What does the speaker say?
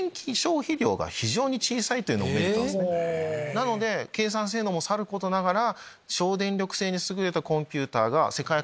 なので計算性能もさることながら。